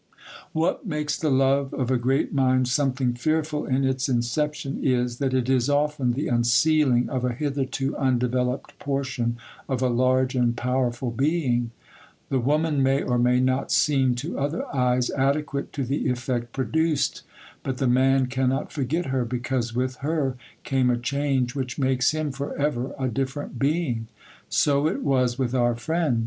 What makes the love of a great mind something fearful in its inception is, that it is often the unsealing of a hitherto undeveloped portion of a large and powerful being: the woman may or may not seem to other eyes adequate to the effect produced, but the man cannot forget her, because with her came a change which makes him for ever a different being. So it was with our friend.